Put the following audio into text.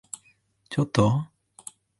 ちょっと？